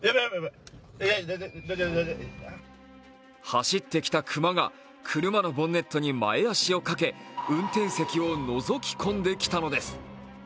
走ってきた熊が車のボンネットに前足をかけ、運転席をのぞき込んできたのです。